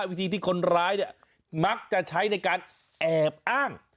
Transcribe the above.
วิธีที่คนร้ายเนี่ยมักจะใช้ในการแอบอ้าง